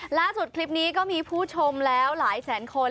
คลิปนี้ก็มีผู้ชมแล้วหลายแสนคน